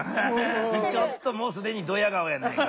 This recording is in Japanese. ちょっともうすでにどや顔やないか。